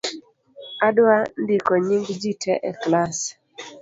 Adwa ndiko nying’ jii tee e klass